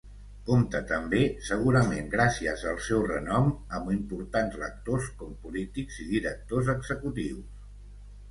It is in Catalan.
Compta també, segurament gràcies al seu renom, amb importants lectors com polítics i directors executius.